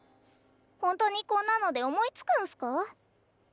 ほんとにこんなので思いつくんすか？